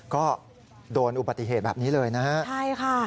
ก็โดนอุปติเหตุแบบนี้เลยนะครับ